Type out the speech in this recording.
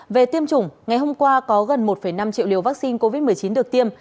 về tiêm chủng ngày hôm qua có gần một năm triệu liều vaccine covid một mươi chín được tiêm